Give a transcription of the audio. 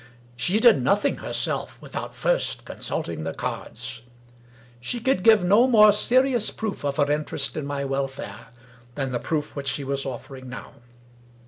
She did nothing herself without first consulting the cards. She could give no more serious proof of her interest in my wel fare than the proof which she was offering now.